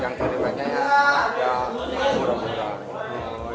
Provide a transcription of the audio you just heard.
yang terbanyak itu